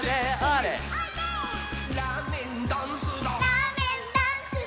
「ラーメンダンスだ」